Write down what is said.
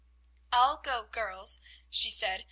"I'll go, girls," she said.